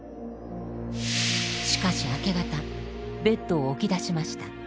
しかし明け方ベッドを起きだしました。